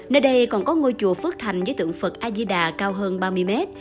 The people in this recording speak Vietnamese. nơi đây còn có ngôi chùa phước thành với tượng phật ajida cao hơn ba mươi mét